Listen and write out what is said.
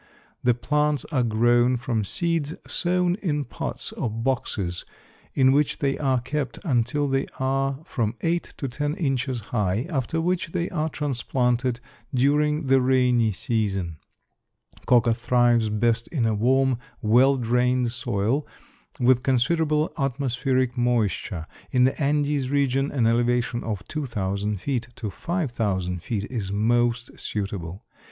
The plants are grown from seeds sown in pots or boxes in which they are kept until they are from eight to ten inches high, after which they are transplanted during the rainy season. Coca thrives best in a warm, well drained soil, with considerable atmospheric moisture. In the Andes region an elevation of 2,000 feet to 5,000 feet is most suitable.